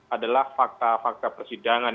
adalah fakta fakta persidangan